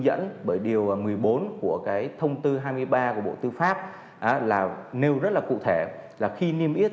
điều một mươi bốn của thông tư hai mươi ba của bộ tư pháp là nêu rất là cụ thể là khi niêm biết